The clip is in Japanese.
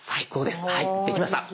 できました。